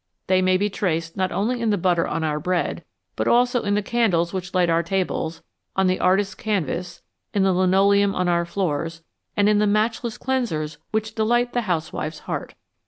They may be traced not only in the butter on our bread, but also in the candles which light our tables, on the artist's canvas, in the linoleum on our floors, and in the "matchless cleansers" which delight the house wife's heart.